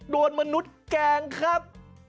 โดนมนุษย์แกล้งครับ